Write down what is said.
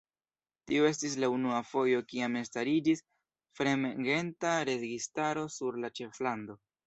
Tio estis la unua fojo kiam stariĝis fremdgenta registaro sur la ĉeflando.